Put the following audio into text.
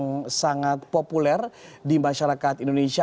yang sangat populer di masyarakat indonesia